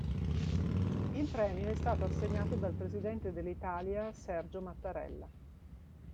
Il premio è stato assegnato dal Presidente dell'Italia Sergio Mattarella.